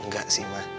gak sih ma